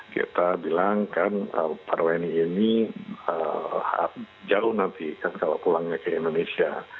kita bilang kan para wni ini jauh nanti kan kalau pulangnya ke indonesia